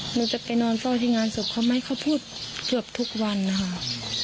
หนูจะไปนอนเฝ้าที่งานศพเขาไหมเขาพูดเกือบทุกวันนะคะ